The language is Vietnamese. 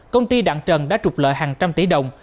công ty đặng trần đã trục lợi hàng trăm tỷ đồng